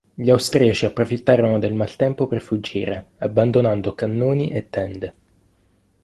Gli austriaci approfittarono del maltempo per fuggire, abbandonando cannoni e tende.